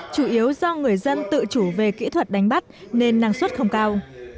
chủ yếu do người dân tự chủ về kỹ thuật đánh bắt nên năng suất không cao